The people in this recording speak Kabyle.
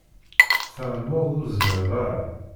Tεelmeḍ ur zmireɣ ara.